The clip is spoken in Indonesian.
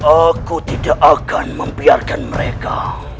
aku tidak akan membiarkan mereka